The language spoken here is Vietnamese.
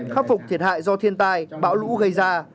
khắc phục thiệt hại do thiên tai bão lũ gây ra